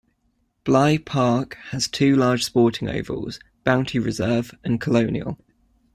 Bligh Park has two large sporting ovals: Bounty Reserve and Colonial.